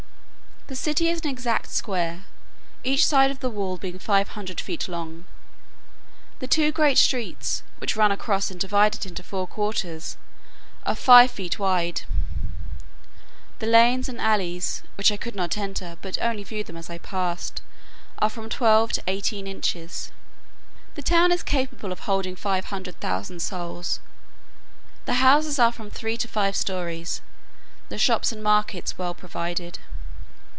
The city is an exact square, each side of the wall being five hundred feet long. The two great streets, which run across and divide it into four quarters, are five feet wide. The lanes and alleys, which I could not enter, but only view them as I passed, are from twelve to eighteen inches. The town is capable of holding five hundred thousand souls: the houses are from three to five stories: the shops and markets well provided.